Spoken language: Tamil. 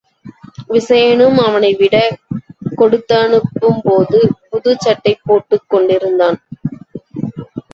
விசயனும் அவனை விடை கொடுத்தனுப்பும்போது புதுச் சட்டை போட்டுக் கொண்டிருந்தான்.